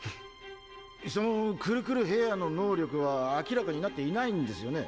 そのクルクルヘアーの能力は明らかになっていないんですよね？